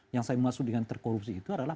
yang saya maksud dengan terkorupsi itu adalah